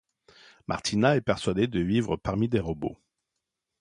Martina est persuadé de vivre parmi des robots.